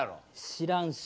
知らんし。